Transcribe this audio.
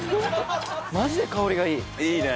マジで香りがいい！いいね！